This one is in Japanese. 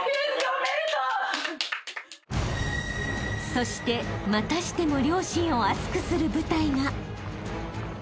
［そしてまたしても両親を熱くする舞台が］